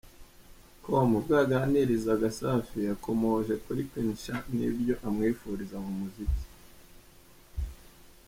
com ubwo yaganirizaga Safi yakomoje kuri Queen Cha n'ibyo amwifuriza mu muziki.